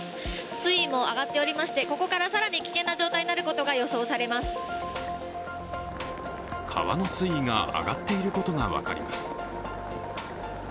水位も上がっておりまして、ここから更に危険な状態になることが予川の水位が上がっていることが分かります。